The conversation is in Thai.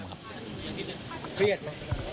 เครียดไหม